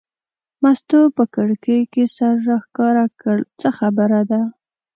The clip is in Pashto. مستو په کړکۍ کې سر راښکاره کړ: څه خبره ده.